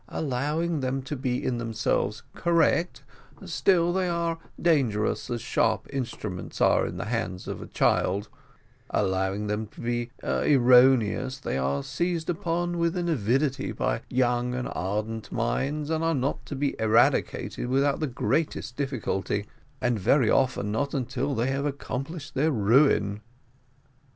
Allowing them to be in themselves correct, still they are dangerous as sharp instruments are in the hands of a child; allowing them to be erroneous, they are seized upon with an avidity by young and ardent minds, and are not to be eradicated without the greatest difficulty, and very often not until they have accomplished their ruin."